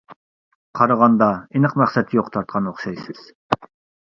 قارىغاندا ئېنىق مەقسەت يوق تارتقان ئوخشايسىز.